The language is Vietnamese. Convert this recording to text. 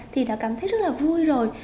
thì đã cảm thấy rất là vui rồi